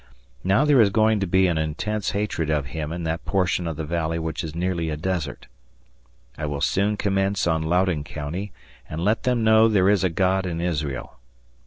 Now there is going to be an intense hatred of him in that portion of the valley which is nearly a desert. I will soon commence on Loudoun County, and let them know there is a God in Israel.